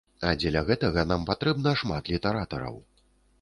А дзеля гэтага нам патрэбна шмат літаратараў.